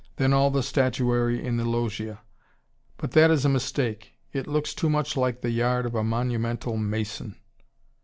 Then all the statuary in the Loggia! But that is a mistake. It looks too much like the yard of a monumental mason.